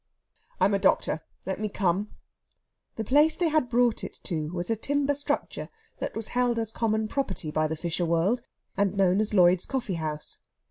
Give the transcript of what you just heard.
"I am a doctor; let me come." The place they had brought it to was a timber structure that was held as common property by the fisher world, and known as Lloyd's Coffeehouse.